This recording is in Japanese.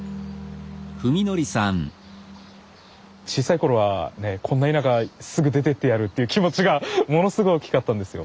小さい頃はねこんな田舎すぐ出てってやるっていう気持ちがものすごい大きかったんですよ。